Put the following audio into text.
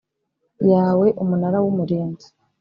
Yawe umunara w umurinzi